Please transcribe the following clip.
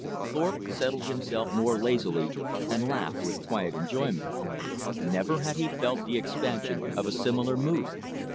Thorpe settled himself more lazily, and laughed with quiet enjoyment. Never had he felt the expansion of a similar mood.